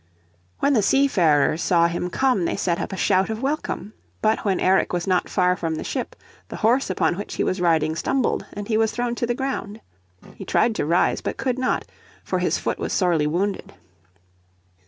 When the sea farers saw him come they set up a shout of welcome. But when Eric was not far from the ship the horse upon which he was riding stumbled, and he was thrown to the ground. He tried to rise but could not, for his foot was sorely wounded.